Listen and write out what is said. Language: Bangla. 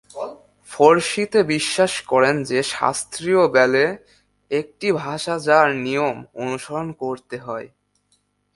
ফরসিথে বিশ্বাস করেন যে শাস্ত্রীয় ব্যালে একটি ভাষা যার নিয়ম অনুসরণ করতে হয়।